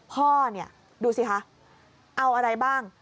พ่อเนี่ยดูสิคะเอาอะไรบ้าง